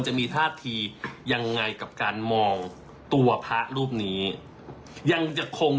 จะมีท่าทียังไงกับการมองตัวพระรูปนี้ยังจะคง